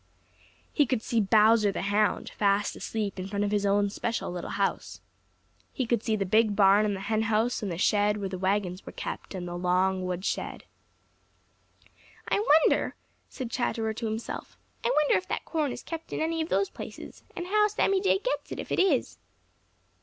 He could see Bowser the Hound fast asleep in front of his own special little house. He could see the big barn and the henhouse and the shed where the wagons were kept and the long wood shed. "I wonder," said Chatterer to himself, "I wonder if that corn is kept in any of those places, and how Sammy Jay gets it if it is."